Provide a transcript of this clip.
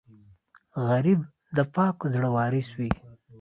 غریب د پاک زړه وارث وي